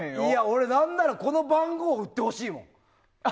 俺、なんならこの番号売ってほしいもん。